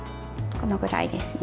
このぐらいですね。